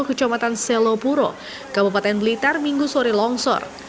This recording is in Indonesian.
kecamatan selopuro kabupaten blitar minggu sore longsor